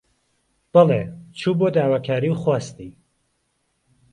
بەڵی، چوو بۆ داواکاری و خواستی